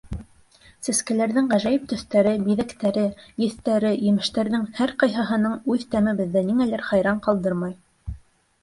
Сәскәләрҙең ғәжәйеп төҫтәре, биҙәктәре, еҫтәре, емештәрҙең һәр ҡайһыһының үҙ тәме беҙҙе ниңәлер хайран ҡалдырмай.